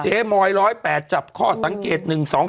เมอย๑๐๘จับข้อสังเกต๑๒๒